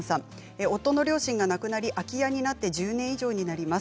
夫の両親が亡くなり、空き家になって１０年以上になります。